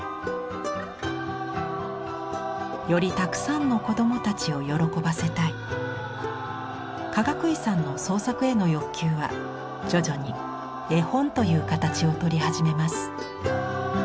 よりたくさんの子どもたちを喜ばせたい。かがくいさんの創作への欲求は徐々に絵本という形をとり始めます。